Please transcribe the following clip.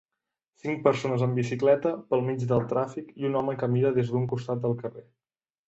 Cinc persones en bicicleta pel mig del tràfic i un home que mira des d'una costat del carrer.